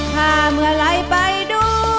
พาเมื่อไรไปดู